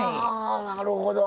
なるほど。